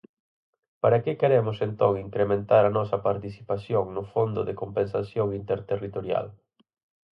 ¿Para que queremos entón incrementar a nosa participación no Fondo de Compensación Interterritorial?